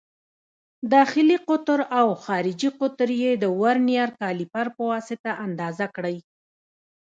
داخلي قطر او خارجي قطر یې د ورنیز کالیپر په واسطه اندازه کړئ.